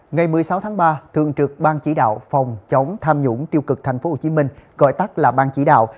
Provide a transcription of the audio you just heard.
ngày một mươi sáu tháng ba thường trực ban chỉ đạo phòng chống tham nhũng tiêu cực tp hcm gọi tắt là ban chỉ đạo